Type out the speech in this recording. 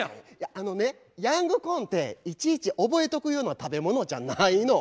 あのねヤングコーンっていちいち覚えとくような食べ物じゃないの。